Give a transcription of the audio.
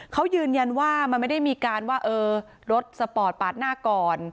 เขายืนยันว่ามันไม่ได้มีการว่าเออรถสปอร์ตปาดหน้าก่อน